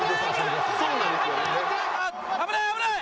危ない危ない！